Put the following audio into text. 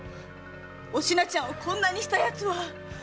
お品ちゃんをこんなにした奴は？